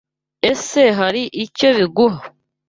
Ese hari icyo biguha?